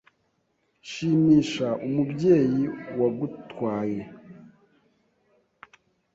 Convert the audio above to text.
Shimisha umubyeyi uwagutwaye